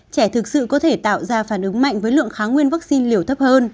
trẻ thực sự có thể tạo ra phản ứng mạnh với lượng kháng nguyên vaccine liều thấp hơn